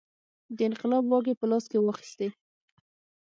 د انقلاب واګې په لاس کې واخیستې.